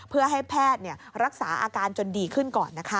เพื่อให้แพทย์รักษาอาการจนดีขึ้นก่อนนะคะ